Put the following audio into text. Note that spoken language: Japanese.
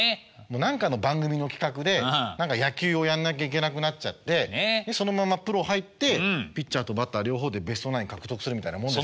何かの番組の企画で野球をやんなきゃいけなくなっちゃってそのままプロ入ってピッチャーとバッター両方でベストナイン獲得するみたいなもん。